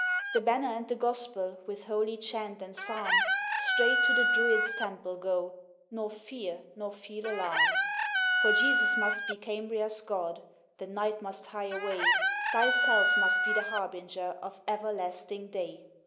The Banner and the Gospel, With holy Chant and Psalm, Straight to the Druid's Temple go, Nor fear, nor feel alarm. For Jesus must be Cambria's God, The night must hie away, Thyself must be the harbinger Of Everlasting Day."